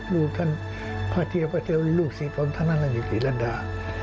ลูกท่านพระเทวลูกสิทธิ์พระมรรณอยู่ที่รรดา